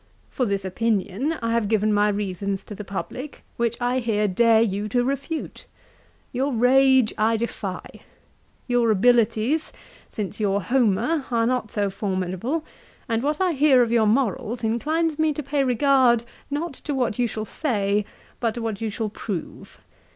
For this opinion I have given my reasons to the publick, which I here dare you to refute. Your rage I defy. Your abilities, since your Homer, are not so formidable; and what I hear of your morals, inclines me to pay regard not to what you shall say, but to what you shall prove.